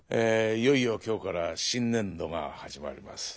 いよいよ今日から新年度が始まります。